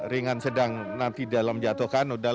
ringan sedang nanti dalam jatuh kan